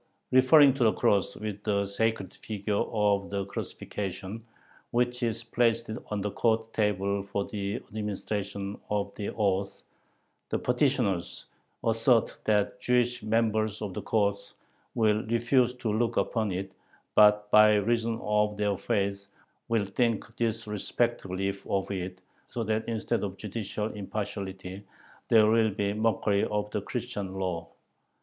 Referring to the cross with the "sacred figure" of the crucifixion, which is placed on the court table for the administration of the oath, the petitioners assert that the Jewish members of the court "will refuse to look upon it, but, by reason of their faith, will think disrespectfully of it, so that, instead of judicial impartiality, there will be mockery of the Christian law."